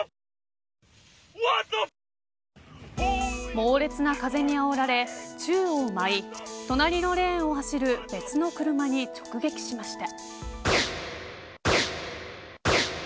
猛烈な風にあおられ宙を舞い隣のレーンを走る別の車に直撃しました。